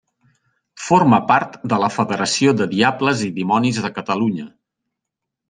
Forma part de la Federació de Diables i Dimonis de Catalunya.